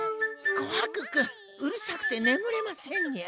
こはく君うるさくてねむれませんにゃ。